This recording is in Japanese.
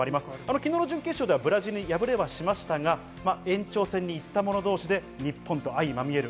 昨日の準決勝ではブラジルに敗れはしましたが、延長戦に行った者同士で日本と相まみえる。